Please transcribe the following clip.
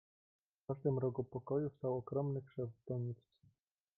"W każdym rogu pokoju stał ogromny krzew w doniczce."